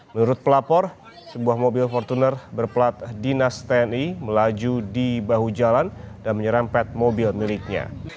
menurut pelapor sebuah mobil fortuner berplat dinas tni melaju di bahu jalan dan menyerempet mobil miliknya